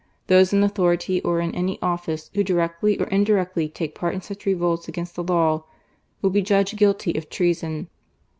Those in authority or in any office who directly or indirectly take part in such revolts against the law, will be judged guilty of treason."